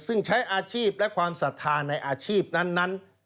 ซึ่งใช้อาชีพและความศรัทธาในอาชีพนั้น